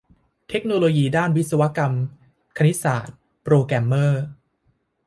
เทคโนโลยีด้านวิศวกรรม คณิตศาสตร์ โปรแกรมเมอร์